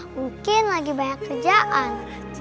mungkin lagi banyak kerjaan